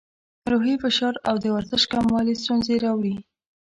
روحي فشار او د ورزش کموالی ستونزې راوړي.